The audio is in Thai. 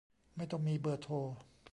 ไม่ต้องมีเบอร์โทร